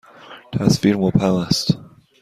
تصویر مبهم است.